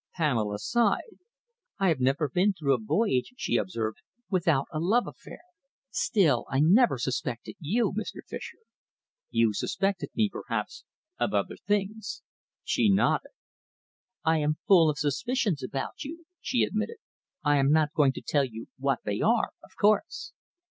Pamela sighed. "I have never been through a voyage," she observed, "without a love affair. Still, I never suspected you, Mr. Fischer." "You suspected me, perhaps, of other things." She nodded. "I am full of suspicions about you," she admitted. "I am not going to tell you what they are, of course."